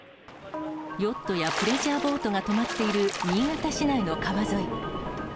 ヨットやプレジャーボートが泊まっている新潟市内の川沿い。